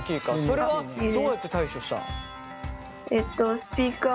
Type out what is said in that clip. それはどうやって対処したの？